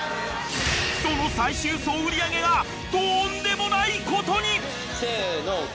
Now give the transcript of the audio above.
［その最終総売上がとんでもないことに］